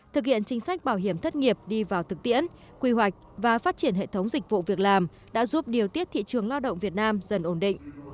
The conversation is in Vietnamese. thực hiện chính sách bảo hiểm thất nghiệp đi vào thực tiễn quy hoạch và phát triển hệ thống dịch vụ việc làm đã giúp điều tiết thị trường lao động việt nam dần ổn định